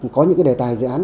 có những cái đề tài dự án